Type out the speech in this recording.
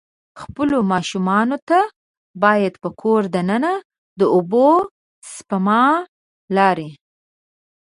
خپلو ماشومان ته باید په کور د ننه د اوبه سپما لارې.